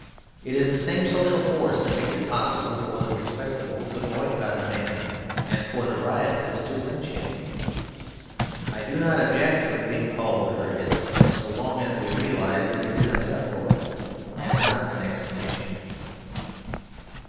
It is the same social force that makes it possible for the respectable to boycott a man and for the riotous to lynch him. I do not object to it being called 'the herd instinct,' so long as we realise that it is a metaphor and not an explanation.